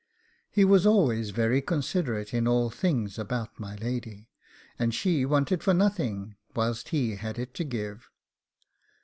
He was always very considerate in all things about my lady, and she wanted for nothing whilst he had it to give.